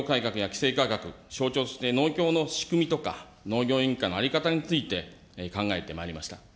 われわれ、農業改革や規制改革、象徴して農協の仕組みとか、農業委員会の在り方について、考えてまいりました。